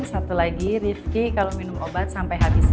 satu lagi deripki kalau minum obat sampai habis ya